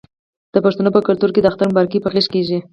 د پښتنو په کلتور کې د اختر مبارکي په غیږ کیږي.